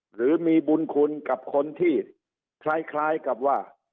หรือมีบุญคุณกับคนที่คล้ายกับว่า